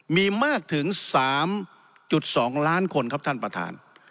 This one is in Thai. มีมากถึง๓๒ล้านคนครับท่านประธาน